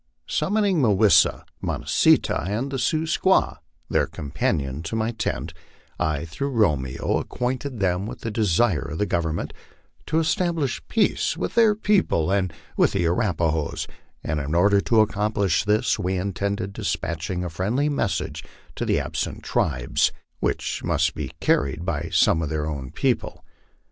Summoning Mah wis sa, Mo nah see tah, and the Sioux squaw, their companion, to my tent, I, through Romeo, acquainted them with the desire of the Government to establish peace with their people and with the Arapahoes, and in order to accomplish this we intended despatching a friendly message to the absent tribes, which must be carried by some of their own people.